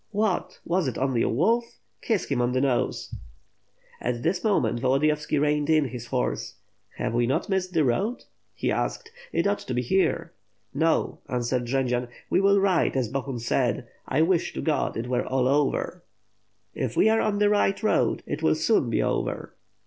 "What? Was it only a wolf! Kiss him on the nose." At this moment Volodiyovski reined in his horse. "Have we not missed the road?" he asked. "It ought to be here." "No," answered Jendzian, "we will ride as Bohun said. "I wish to God it were all over." "If we are on the right road, it will soon be over."